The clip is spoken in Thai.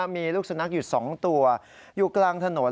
มีลูกสุนัขอยู่๒ตัวอยู่กลางถนน